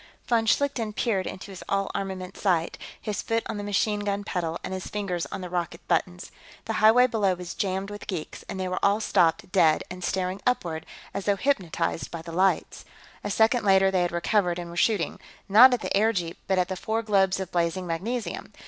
Von Schlichten peered into his all armament sight, his foot on the machine gun pedal and his fingers on the rocket buttons. The highway below was jammed with geeks, and they were all stopped dead and staring upward, as though hypnotized by the lights. A second later, they had recovered and were shooting not at the airjeep, but at the four globes of blazing magnesium.